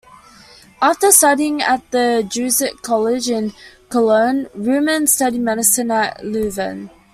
After studying at the Jesuit College in Cologne, Roomen studied medicine at Leuven.